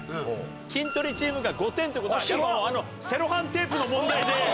「キントレチーム」が５点ってことはあのセロハンテープの問題で。